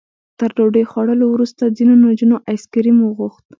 تر ډوډۍ خوړلو وروسته ځینو نجونو ایس کریم وغوښت.